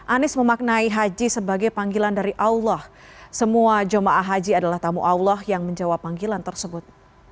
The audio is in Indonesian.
anies memaknai haji sebagai panggilan dari allah semua jemaah haji adalah tamu allah yang menjawab panggilan tersebut